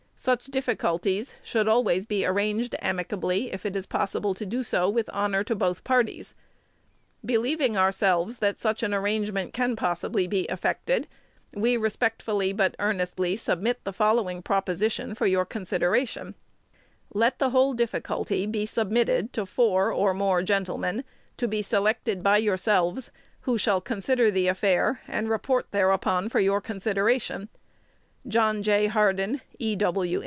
Such difficulties should always be arranged amicably, if it is possible to do so with honor to both parties. Believing ourselves, that such an arrangement can possibly be effected, we respectfully, but earnestly, submit the following proposition for your consideration: Let the whole difficulty be submitted to four or more gentlemen, to be selected by yourselves, who shall consider the affair, and report thereupon for your consideration. John J. Hardin. E. W.